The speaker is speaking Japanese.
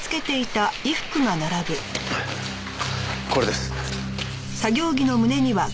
これです。